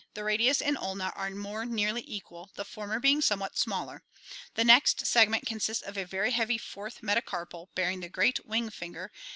i9,D) the radius and ulna are more nearly equal, the former being somewhat smaller. The next segment consists of a very heavy fourth metacarpal, bearing the Fio.